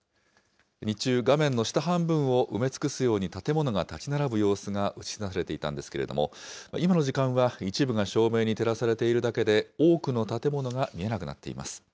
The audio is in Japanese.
日中、画面の下半分を埋め尽くすように建物が建ち並ぶ様子が映し出されていたんですけれども、今の時間は一部が照明に照らされているだけで、多くの建物が見えなくなっています。